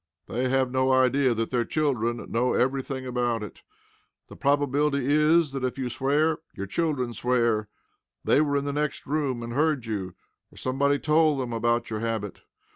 They have no idea that their children know anything about it. The probability is that if you swear, your children swear. They were in the next room and heard you, or somebody told them about your habit.